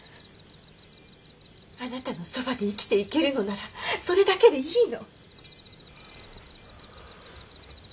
あなたのそばで生きていけるのならそれだけでいいの。